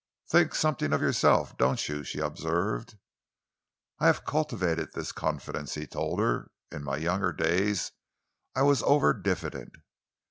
"Think something of yourself, don't you?" she observed. "I have cultivated this confidence," he told her. "In my younger days I was over diffident."